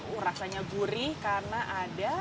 wah rasanya gurih karena ada